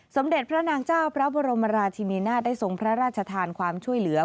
สมเด็จพระนางเจ้าพระบรมราชินินาศได้ทรงพระราชทานความช่วยเหลือ